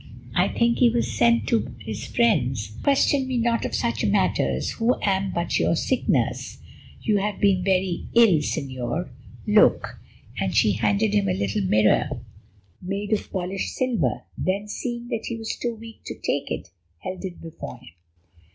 I think that he was sent to his friends. Question me not of such matters, who am but your sick nurse. You have been very ill, Señor. Look!" And she handed him a little mirror made of polished silver, then, seeing that he was too weak to take it, held it before him.